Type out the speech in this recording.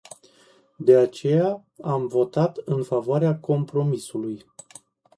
De aceea, am votat în favoarea compromisului.